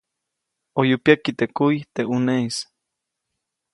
ʼOyu pyäki teʼ kuy teʼ ʼuneʼis.